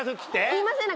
言いません？